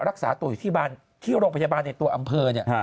รักษาตัวอยู่ที่โรงพยาบาลในตัวอำเภอเนี่ย